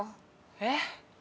えっ？